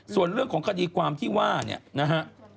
ส่วนเรื่องของคดีความที่ว่าเนี่ยนะฮะ